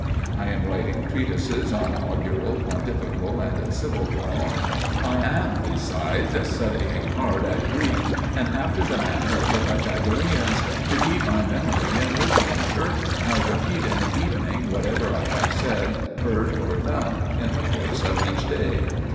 I am writing treatises on augural, pontifical, and civil law. I am, besides, studying hard at Greek, and after the manner of the Pythagoreans to keep my memory in working order I repeat in the evening whatever I have said, heard, or done in the course of each day.